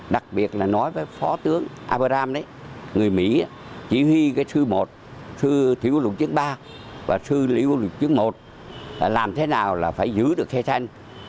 đặc biệt là nói với phó tướng abraham đấy người mỹ chỉ huy cái sư một sư thủy quốc lục chiến ba và sư lý quốc lục chiến một là làm thế nào là phải giữ được khai thanh